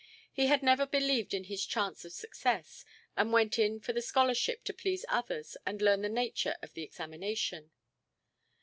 He had never believed in his chance of success, and went in for the scholarship to please others and learn the nature of the examination.